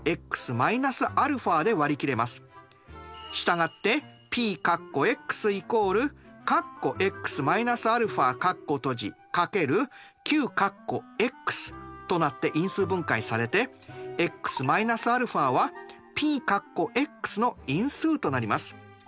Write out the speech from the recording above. したがってＰ＝Ｑとなって因数分解されてｘ−αはＰの因数となります。